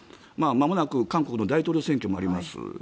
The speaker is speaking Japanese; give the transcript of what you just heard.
まもなく韓国の大統領選挙もあります。